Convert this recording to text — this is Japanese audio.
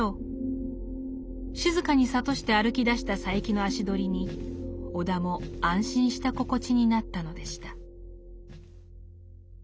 静かに諭して歩きだした佐柄木の足取りに尾田も安心した心地になったのでした。